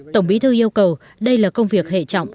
tổng bí thư yêu cầu đây là công việc hệ trọng